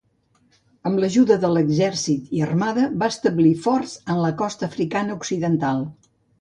Amb l'ajuda de l'exèrcit i armada, va establir forts en la costa africana occidental.